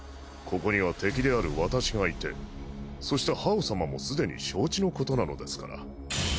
ここには敵である私がいてそして葉王様もすでに承知のことなのですから。